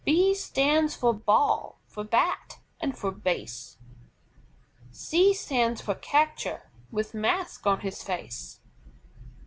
B stands for BALL, for BAT, and for BASE. C stands for CATCHER, with mask on his face.